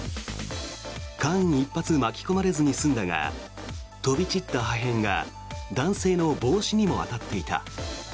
間一髪、巻き込まれずに済んだが飛び散った破片が男性の帽子にも当たっていた。